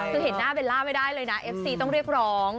คือเห็นหน้าเบลล่าไม่ได้เลยนะเอฟซีต้องเรียกร้อง